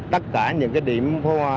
tất cả những điểm phố hoa